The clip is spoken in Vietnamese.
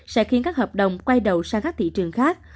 sẽ khiến các hợp đồng quay đầu sang các thị trường khác